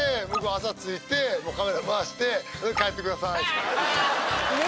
朝着いてもうカメラ回してそれで帰ってください